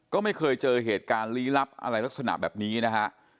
ก็ไม่เคยเจอเหตุการณ์ลี้ลับอะไรลักษณะแบบนี้นะฮะ